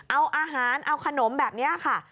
เอาอาหารเอาขนมแบบนี้ค่ะ